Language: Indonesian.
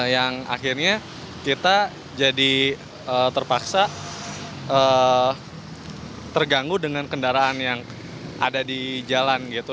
yang akhirnya kita jadi terpaksa terganggu dengan kendaraan yang ada di jalan gitu